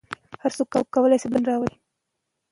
هر څوک کولای شي بدلون راولي.